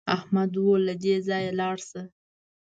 احمد وویل له دې ځایه لاړ شه.